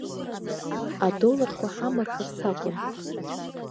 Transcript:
Адолларқәа ҳамырхырц акәын.